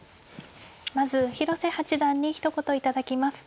まず広瀬八段にひと言頂きます。